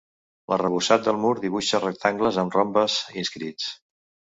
L'arrebossat del mur dibuixa rectangles amb rombes inscrits.